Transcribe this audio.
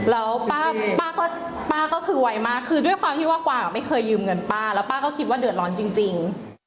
แล้วป้าก็คือไวมากคือด้วยความที่ว่ากวางไม่เคยยืมเงินป้าแล้วป้าก็คิดว่าเดือดร้อนจริง